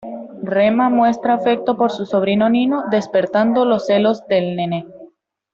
Rema muestra afecto por su sobrino Nino, despertando los celos de Nene.